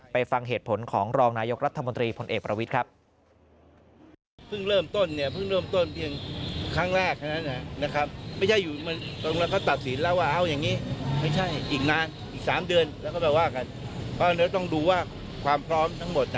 ฟังเหตุผลของรองนายกรัฐมนตรีพลเอกประวิทย์ครับ